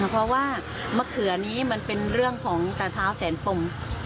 เพราะว่ามะเขือนี้มันเป็นเรื่องของตาเท้าแสนปม